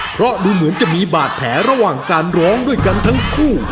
เพราะดูเหมือนจะมีบาดแผลระหว่างการร้องด้วยกันทั้งคู่